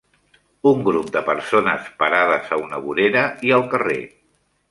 Un grup de persones parades a una vorera i al carrer.